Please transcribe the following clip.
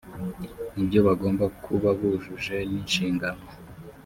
nibyo bagomba kubabujuje n’inshingano